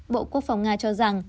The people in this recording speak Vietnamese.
bộ quốc phòng nga cho rằng